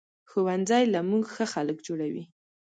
ښوونځی له مونږ ښه خلک جوړوي